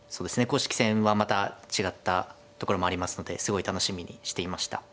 公式戦はまた違ったところもありますのですごい楽しみにしていました。